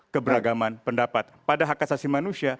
keberagaman pendapat pada hak asasi manusia